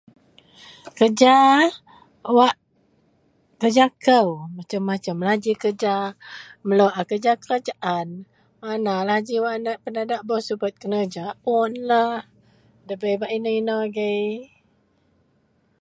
kerja wak kerja kou, macam-macamlah ji kereja, melou a kereja kerajaan, manalah ji wak penadak bos kenereja unlah dabei inou-inou agei